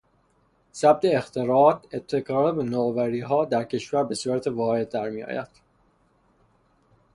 ثبت اختراعات، ابتکارات و نوآوری ها در کشور به صورت واحد در می آید.